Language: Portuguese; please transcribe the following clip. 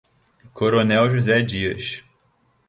Coronel José Dias